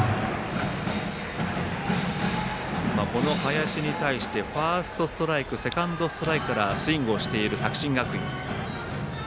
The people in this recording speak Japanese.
この林に対してファーストストライクセカンドストライクからスイングをしている作新学院。